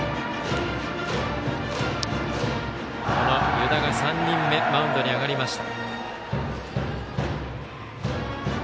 湯田が３人目マウンドに上がりました。